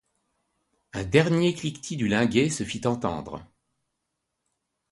Un dernier cliquetis du linguet se fit entendre.